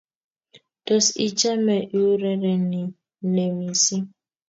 Tos, ichame iurereni nee missing?